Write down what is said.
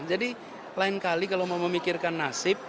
jadi lain kali kalau mau memikirkan nasib